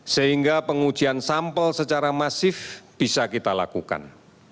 sehingga pengujian sampel secara masif bisa kita lakukan